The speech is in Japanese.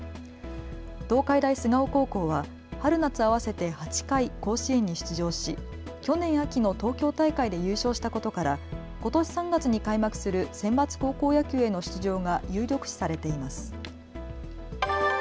東海大菅生高校は春夏合わせて８回甲子園に出場し去年秋の東京大会で優勝したことから、ことし３月に開幕するセンバツ高校野球への出場が有力視されています。